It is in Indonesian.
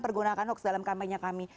pergunakan hoax dalam kampanye kami